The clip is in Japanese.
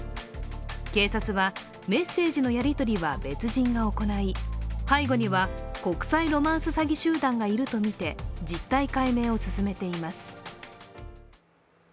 警察はメッセージのやり取りは別人が行い背後には国際ロマンス詐欺集団がいるとみて実態解明を進めています。